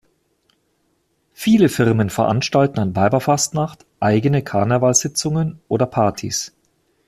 Viele Firmen veranstalten an Weiberfastnacht eigene Karnevalssitzungen oder -partys.